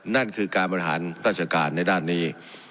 นั่นคือการบริหารราชการในด้านนี้